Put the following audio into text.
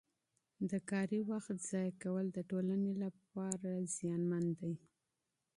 د کاري وخت ضایع کول د ټولنې لپاره نقصان لري.